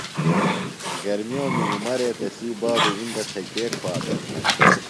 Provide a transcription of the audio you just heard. گرمیومی عمرے تسی بابُوۡ اِندہ تھےۡ کے کُھواتہ دےۡ؟